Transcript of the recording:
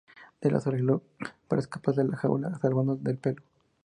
Se las arregló para escapar de la jaula, salvándole el pelo.